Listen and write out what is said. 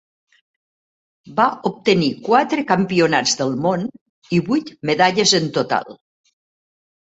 Va obtenir quatre Campionats del món i vuit medalles en total.